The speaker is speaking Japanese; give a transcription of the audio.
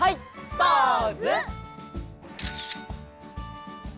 ポーズ！